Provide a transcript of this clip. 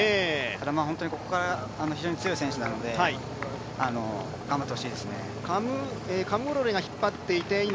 ただここからが本当に強い選手なので頑張ってほしいですね。